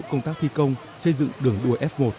công tác thi công xây dựng đường đua f một